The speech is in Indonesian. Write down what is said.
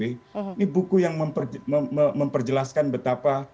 ini buku yang memperjelaskan betapa